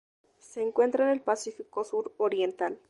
Se encuentra en el Pacífico sur oriental.